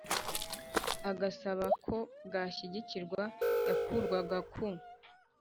agasaba ko bwashyigikirwa yakurwaga ku